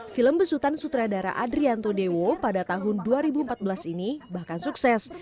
film besutan sutradara adrianto dewo pada tahun dua ribu empat belas ini bahkan sukses